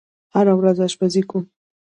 زه هره ورځ آشپزی کوم.